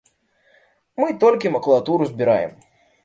Мы толькі макулатуру збіраем.